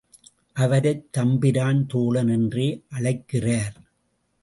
அவரைத் தம்பிரான் தோழன் என்றே அழைக்கிறார்.